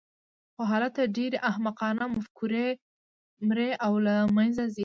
خو هلته ډېرې احمقانه مفکورې مري او له منځه ځي.